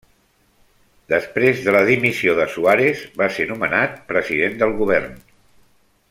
Després de la dimissió de Suárez va ser nomenat President del Govern.